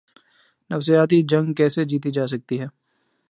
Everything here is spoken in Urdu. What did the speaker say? نفسیاتی جنگ کیسے جیتی جا سکتی ہے۔